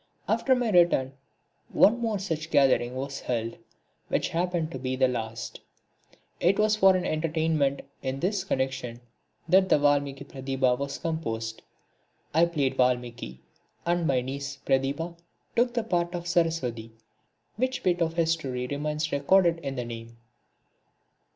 After my return one more such gathering was held, which happened to be the last. It was for an entertainment in this connection that the Valmiki Pratibha was composed. I played Valmiki and my niece, Pratibha, took the part of Saraswati which bit of history remains recorded in the name.